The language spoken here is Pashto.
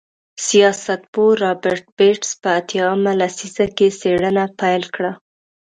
سیاستپوه رابرټ بېټس په اتیا مه لسیزه کې څېړنه پیل کړه.